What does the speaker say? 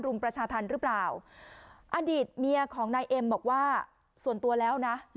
ประชาธรรมหรือเปล่าอดีตเมียของนายเอ็มบอกว่าส่วนตัวแล้วนะ